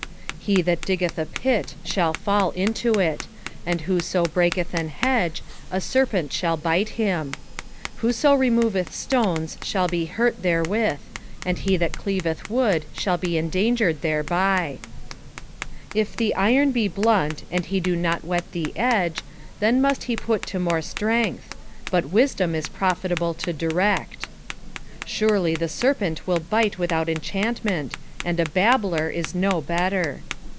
21:010:008 He that diggeth a pit shall fall into it; and whoso breaketh an hedge, a serpent shall bite him. 21:010:009 Whoso removeth stones shall be hurt therewith; and he that cleaveth wood shall be endangered thereby. 21:010:010 If the iron be blunt, and he do not whet the edge, then must he put to more strength: but wisdom is profitable to direct. 21:010:011 Surely the serpent will bite without enchantment; and a babbler is no better.